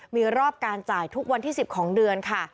มีรอบการจ่ายทุกวันที่๑๐ของเดือนค่ะ